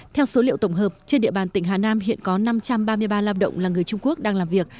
theo số liệu tổng hợp trên địa bàn tỉnh hà nam hiện có năm trăm ba mươi ba lao động là người trung quốc đang làm việc